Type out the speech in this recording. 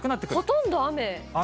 ほとんど雨。